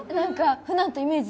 普段とイメージ